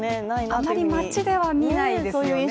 あまり街では見ないですよね。